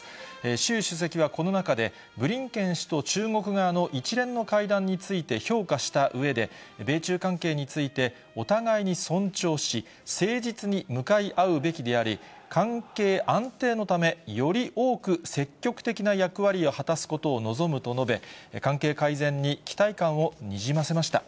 習主席はこの中でブリンケン氏と中国側の一連の会談について評価したうえで、米中関係についてお互いに尊重し、誠実に向かい合うべきであり、関係安定のためより多く積極的な役割を果たすことを望むと述べ、関係改善に期待感をにじませました。